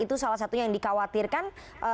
itu salah satu hal yang dikhawatirkan